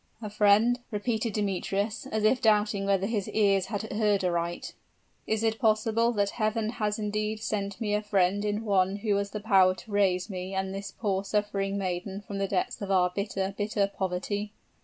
"A friend!" repeated Demetrius, as if doubting whether his ears heard aright; "is it possible that Heaven has indeed sent me a friend in one who has the power to raise me and this poor suffering maiden from the depths of our bitter, bitter poverty?"